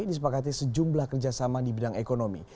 disepakati sejumlah kerjasama di bidang ekonomi